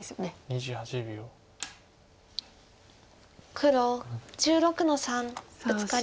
黒１６の三ブツカリ。